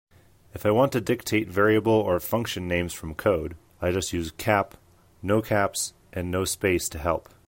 If I want to dictate variable or function names from code, I just use "cap", "no caps", and "no space" to help.